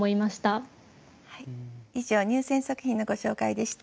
以上入選作品のご紹介でした。